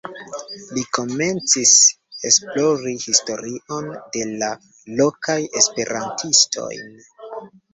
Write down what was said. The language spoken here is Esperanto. Li komencis esplori historion de la lokaj esperantistojn.